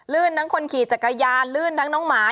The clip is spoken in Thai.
ทั้งคนขี่จักรยานลื่นทั้งน้องหมา